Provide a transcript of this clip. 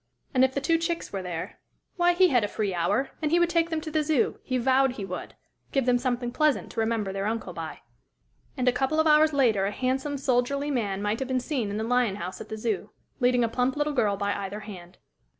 And if the two chicks were there why, he had a free hour and he would take them to the Zoo he vowed he would! give them something pleasant to remember their uncle by. And a couple of hours later a handsome, soldierly man might have been seen in the lion house at the Zoo, leading a plump little girl by either hand.